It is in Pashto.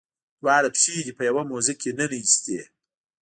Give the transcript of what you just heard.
دواړه پښې دې په یوه موزه کې ننویستې.